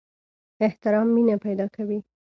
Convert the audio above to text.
احترام مینه پیدا کوي